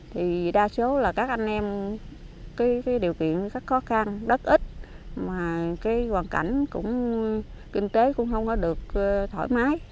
thì đa số là các anh em điều kiện khó khăn đất ít hoàn cảnh kinh tế cũng không được thoải mái